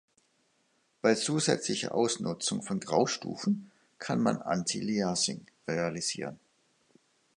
Bei zusätzlicher Ausnutzung von Graustufen kann man Antialiasing realisieren.